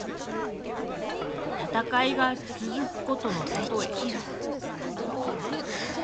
戦いが続くことのたとえ。